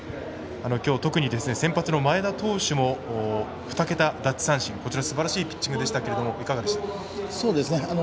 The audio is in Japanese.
きょう、先発の前田投手も２桁奪三振すばらしいピッチングでしたがいかがでしたか？